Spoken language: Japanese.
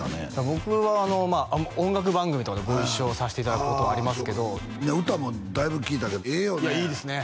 僕はまあ音楽番組とかでご一緒させていただくことありますけど歌もだいぶ聴いたけどええよねいやいいですね